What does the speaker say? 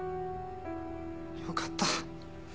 よかった。